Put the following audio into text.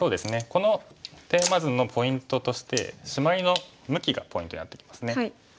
このテーマ図のポイントとしてシマリの向きがポイントになってきますね。